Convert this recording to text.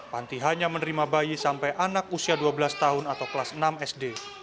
panti hanya menerima bayi sampai anak usia dua belas tahun atau kelas enam sd